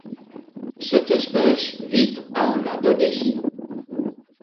Cette espèce vit en Indonésie.